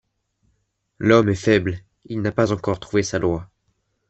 L’homme est faible ; il n’a pas encore trouvé sa loi.